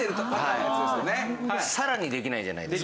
さらにできないじゃないですか。